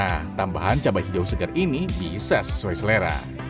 nah tambahan cabai hijau segar ini bisa sesuai selera